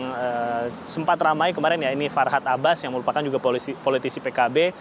yang sempat ramai kemarin ya ini farhad abbas yang merupakan juga politisi pkb